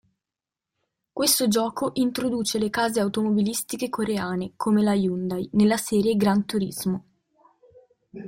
Questo gioco introduce le case automobilistiche coreane, come la Hyundai, nella serie Gran Turismo.